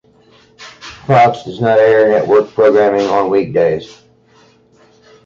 Fox does not air network programming on weekdays.